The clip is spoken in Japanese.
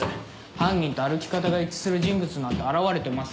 犯人と歩き方が一致する人物なんて現れてません。